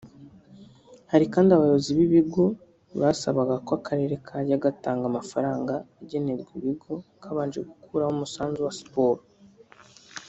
Hari kandi abayobozi b’ibigo basabaga ko akarere kajya gatanga amafaranga agenerwa ibigo kabanje gukuraho umusanzu wa siporo